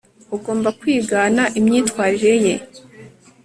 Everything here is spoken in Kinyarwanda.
ugomba kwigana imyitwarire ye